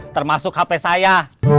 termasuk hp saya